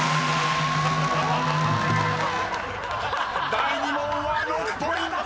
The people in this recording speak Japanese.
［第２問は６ポイント！］